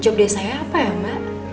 jobdes saya apa ya mbak